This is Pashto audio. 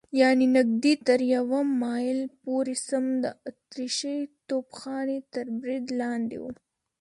یعنې نږدې تر یوه مایل پورې سم د اتریشۍ توپخانې تر برید لاندې و.